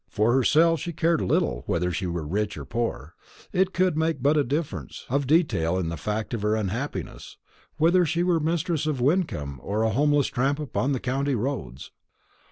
For herself she cared little whether she were rich or poor. It could make but a difference of detail in the fact of her unhappiness, whether she were mistress of Wyncomb or a homeless tramp upon the country roads.